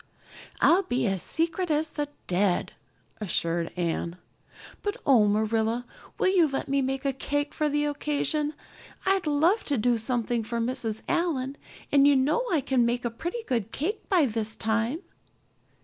"I'll be as secret as the dead," assured Anne. "But oh, Marilla, will you let me make a cake for the occasion? I'd love to do something for Mrs. Allan, and you know I can make a pretty good cake by this time."